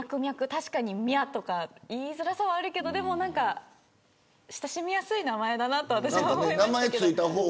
確かミャとか言いづらさはあるけど親しみやすい名前だなと私は思います。